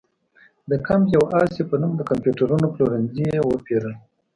د کمپ یو اس اې په نوم د کمپیوټرونو پلورنځي یې وپېرل.